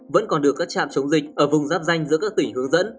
vẫn còn được các trạm chống dịch ở vùng giáp danh giữa các tỉnh hướng dẫn